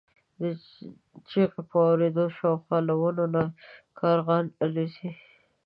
د چیغې په اورېدو شاوخوا له ونو کارغان الوځي.